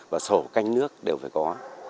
và sổ canh nước đều phải có